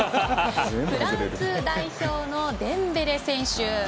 フランス代表のデンベレ選手。